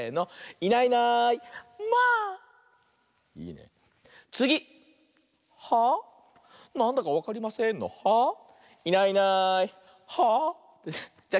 「いないいないはあ？」。